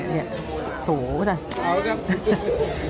โหเอาล่ะครับ